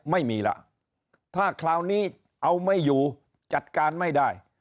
ไม่มีล่ะถ้าคราวนี้เอาไม่อยู่จัดการไม่ได้